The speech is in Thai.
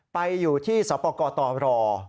ไปอยู่ที่สปกตร